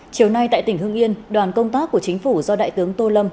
chiều nay tại tỉnh hương yên đoàn công tác của chính phủ do đại tướng tô lâm